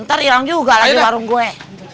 ntar hilang juga lagi warung gue